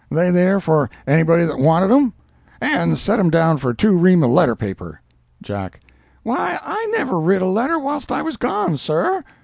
they there for anybody that wanted 'em? And set him down for two ream of letter paper." Jack—"Why, I never writ a letter whilst I was gone, sir."